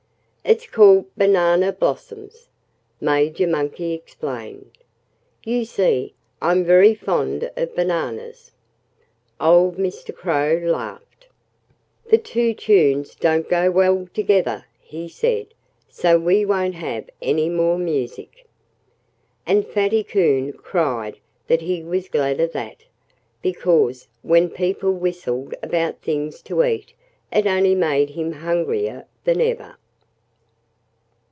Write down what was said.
"It's called 'Banana Blossoms,'" Major Monkey explained. "You see, I'm very fond of bananas." Old Mr. Crow laughed. "The two tunes don't go well together," he said. "So we won't have any more music." And Fatty Coon cried that he was glad of that, because when people whistled about things to eat it only made him hungrier than ever.